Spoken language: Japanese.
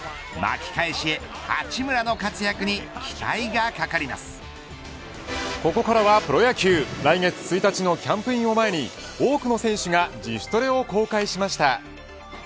巻き返しへ、八村の活躍にここからはプロ野球来月１日のキャンプインを前に多くの選手が自主トレを公開しました。